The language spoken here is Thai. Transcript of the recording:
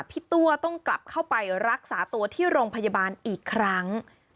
ตัวต้องกลับเข้าไปรักษาตัวที่โรงพยาบาลอีกครั้ง